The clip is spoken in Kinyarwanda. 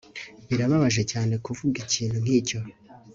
Birababaje cyane kuvuga ikintu nkicyo